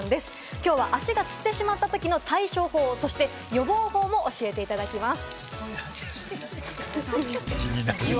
きょうは足がつってしまったときの対処法、そして予防法も教えていただきます。